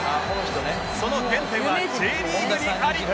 その原点は Ｊ リーグにあり！